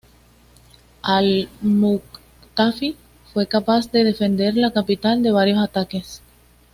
Al-Muqtafi fue capaz de defender la capital de varios ataques.